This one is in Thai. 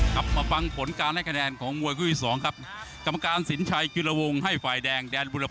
ไตรนเมฆสะวัน